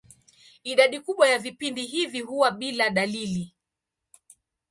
Idadi kubwa ya vipindi hivi huwa bila dalili.